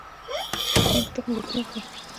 د هنګ تخم له کومه کړم؟